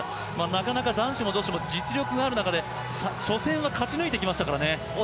なかなか男子も女子も実力がある中で初戦は勝ち抜いてきましたからね。